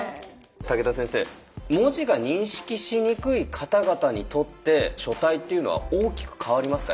竹田先生文字が認識しにくい方々にとって書体っていうのは大きく変わりますか？